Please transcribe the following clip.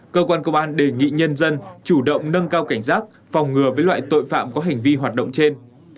cơ quan công an đề nghị nhân dân chủ động nâng cao cảnh giác phòng ngừa với loại tội phạm có hành vi hoạt động trên